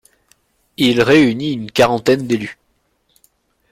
Il réunit une quarantaine d'élus.